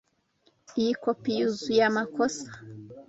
Iyi kopi yuzuye amakosa.